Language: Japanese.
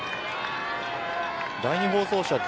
第２放送車です。